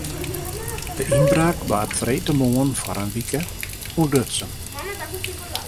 De ynbraak waard freedtemoarn foar in wike ûntdutsen.